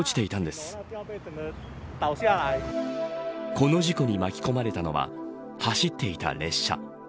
この事故に巻き込まれたのは走っていた列車。